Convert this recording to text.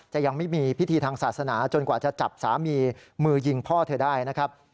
ยังไม่มีพิธีทางศาสนาจนกว่าจะจับสามีมือยิงพ่อเธอได้นะครับ